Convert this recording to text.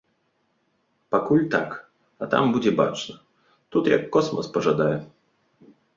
Пакуль так, а там будзе бачна, тут як космас пажадае.